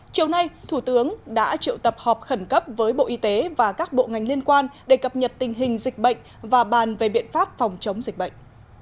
chiều nay thủ tướng đã triệu tập họp khẩn cấp với bộ y tế và các bộ ngành liên quan để cập nhật tình hình dịch bệnh và bàn về biện pháp phòng chống dịch bệnh